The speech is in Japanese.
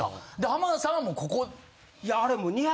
浜田さんはもうここ。